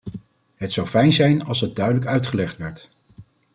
Het zou fijn zijn als het duidelijk uitgelegd werd.